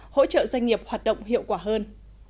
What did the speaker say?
hỗ trợ doanh nghiệp hoạt động hiệu quả hơn